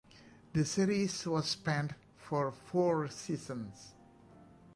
The series was spanned for four seasons.